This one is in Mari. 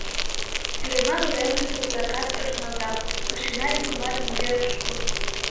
Сӱреман уремыште пуракат ыш нӧлталт, машина йӱкымат нигӧ ыш кол.